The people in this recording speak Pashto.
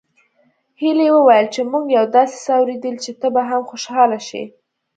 هيلې وويل چې موږ يو داسې څه اورېدلي چې ته به هم خوشحاله شې